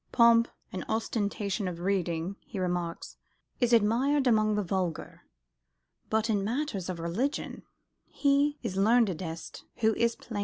"Pomp and ostentation of reading," he remarked, "is admired among the vulgar: but in matters of religion, he is learnedest who is plainest."